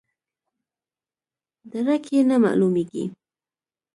درک یې نه معلومیږي.